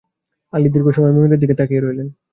আলি দীর্ঘ সময় মুনিরের দিকে তাকিয়ে রইলেন।